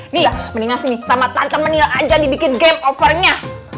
nih ya mendingan sini sama tante menil aja dibikin game overnya